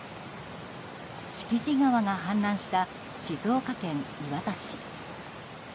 敷地川が氾濫した静岡県磐田市。